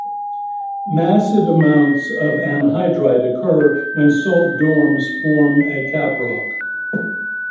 Massive amounts of anhydrite occur when salt domes form a caprock.